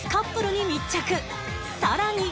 さらに